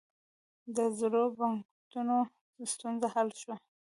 د زړو بانکنوټونو ستونزه حل شوه؟